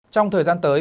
trong thời gian tới